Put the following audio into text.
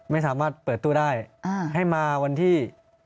ไม่สามารถเปิดตู้ได้ให้มาวันที่